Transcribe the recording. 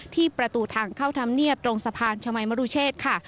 ที่ประตูทางเข้าธรรมเนียบตรงสะพานชมัยมรุเชษค่ะ